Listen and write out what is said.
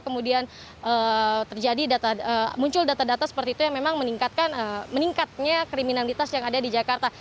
kemudian muncul data data seperti itu yang memang meningkatnya kriminalitas yang ada di jakarta